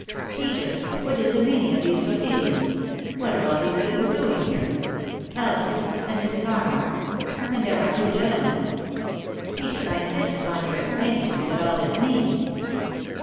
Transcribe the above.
"Peter I What is the meaning of these pro ceedings ? What are all these people doing here ? Elsie 1 — and Mrs. Harmar I And there are two gentlemen 1 Peter, I insist upon your explaining to me what all this means."